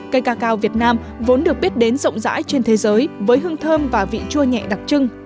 cây cacao việt nam vốn được biết đến rộng rãi trên thế giới với hương thơm và vị chua nhẹ đặc trưng